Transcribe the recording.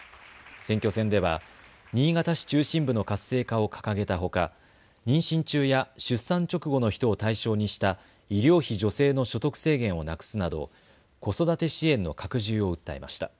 選挙戦では新潟市中心部の活性化を掲げたほか妊娠中や出産直後の人を対象にした医療費助成の所得制限をなくすなど子育て支援の拡充を訴えました。